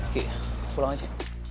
kik pulang aja